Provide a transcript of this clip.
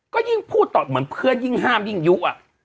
ก็ยิ่งพูดต่อเหมือนเพื่อนยิ่งห้ามยิ่งยุอ่ะ